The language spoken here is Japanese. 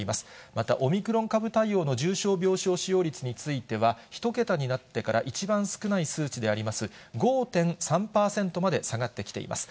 また、オミクロン株対応の重症病床使用率については、１桁になってから一番少ない数値であります、５．３％まで下がってきています。